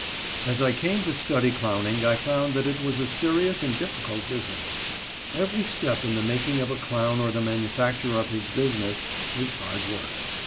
As I came to study clowning I found that it was a serious and difficult business. Every step in the making of a clown or the manufacture of his "business" is hard work.